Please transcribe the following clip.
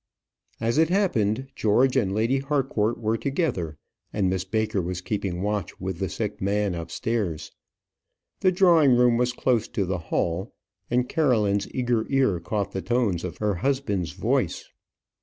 As it happened, George and Lady Harcourt were together, and Miss Baker was keeping watch with the sick man upstairs. The drawing room was close to the hall, and Caroline's eager ear caught the tones of her husband's voice.